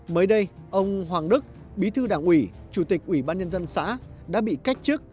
mới đây ông hoàng đức bí thư đảng ủy chủ tịch ủy ban nhân dân xã đã bị cách chức